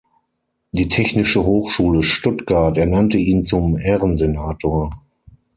Die Technische Hochschule Stuttgart ernannte ihn zum Ehrensenator.